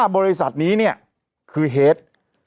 ๕บริษัทนี้เนี่ยคือเหตุ